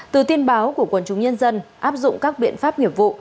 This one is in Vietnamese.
từ tin báo của quân chúng nhân dân áp dụng các biện pháp nghiệp vụ